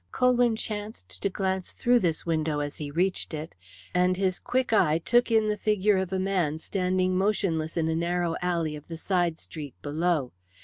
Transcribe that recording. Colwyn chanced to glance through this window as he reached it, and his quick eye took in the figure of a man standing motionless in a narrow alley of the side street below.